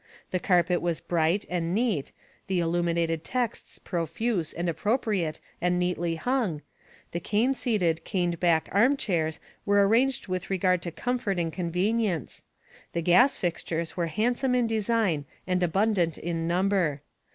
The carpet was bright and neat, the illuminated texts profuse and appropriate and neatly hung, the cane seated, cane backed arm chairs were ar ranged with regard to comfort and convenience, the gas fixtures were handsome in design and abundant in number.